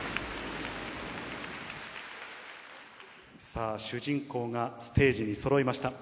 さあ、主人公がステージにそろいました。